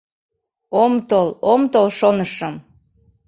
Ом тол, ом тол, шонышым.